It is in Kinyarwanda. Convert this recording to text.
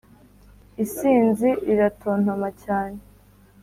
isinzi riratontoma cyane